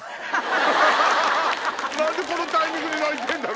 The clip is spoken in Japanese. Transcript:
何でこのタイミングで泣いてんだろ？